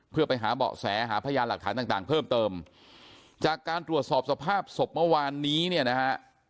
เพื่อไปหาเบาะแสหาพยานหลักฐานต่างต่างเพิ่มเติมจากการตรวจสอบสภาพศพเมื่อวานนี้เนี่ยนะฮะ